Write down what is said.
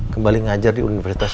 kembali ngajar di universitas